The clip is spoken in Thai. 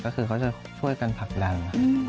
ก็คือเขาจะช่วยกันผลักดัน